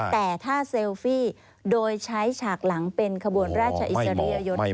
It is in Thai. แต่ถ้าเซลฟี่โดยใช้ฉากหลังเป็นขบวนราชอิสริยยศ